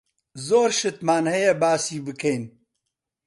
زۆر شتمان هەیە باسی بکەین.